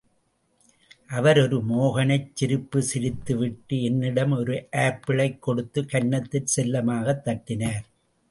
அவர் ஒரு மோகனச் சிரிப்புச் சிரித்துவிட்டு என்னிடம் ஒரு ஆப்பிளைக் கொடுத்து கன்னத்தில் செல்லமாகத் தட்டினார்.